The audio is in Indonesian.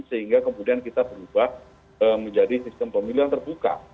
sehingga kemudian kita berubah menjadi sistem pemilihan terbuka